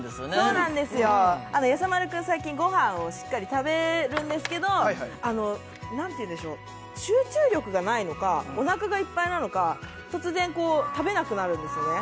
そうなんですよやさ丸くん最近ごはんをしっかり食べるんですけど何ていうんでしょう集中力がないのかおなかがいっぱいなのか突然食べなくなるんですよね